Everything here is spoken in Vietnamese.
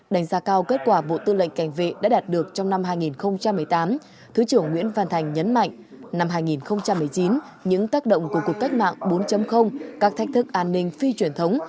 đánh giá cao kết quả bộ tư lệnh cảnh vệ đã đạt được trong năm hai nghìn một mươi tám thứ trưởng nguyễn văn thành nhấn mạnh năm hai nghìn một mươi chín những tác động của cuộc cách mạng bốn các thách thức an ninh phi truyền thống